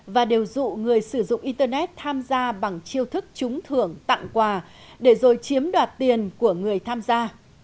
và đều dụ người sử dụng internet tham gia bằng chiêu thức trúng thưởng tặng quà để rồi chiếm đoạt tiền của người tham gia